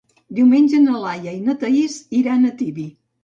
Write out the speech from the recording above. Diumenge na Laia i na Thaís iran a Tibi.